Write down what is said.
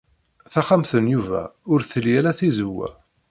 Taxxamt n Yuba ur tli ara tizewwa.